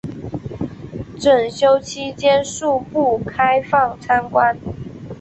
整修期间恕不开放参观